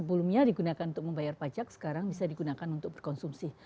sebelumnya digunakan untuk membayar pajak sekarang bisa digunakan untuk berkonsumsi